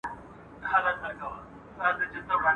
ملا چي څه وايي هغه کوه، چي څه کوي هغه مه کوه.